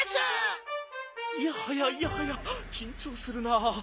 いやはやいやはやきんちょうするなあ。